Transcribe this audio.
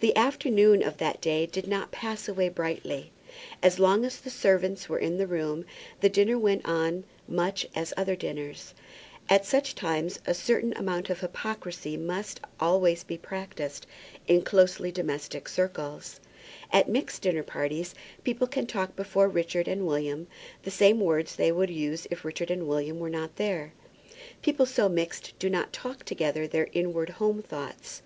The afternoon of that day did not pass away brightly. As long as the servants were in the room the dinner went on much as other dinners. At such times a certain amount of hypocrisy must always be practised in closely domestic circles. At mixed dinner parties people can talk before Richard and William the same words that they would use if Richard and William were not there. People so mixed do not talk together their inward home thoughts.